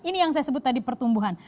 ini yang saya sebut tadi pertumbuhan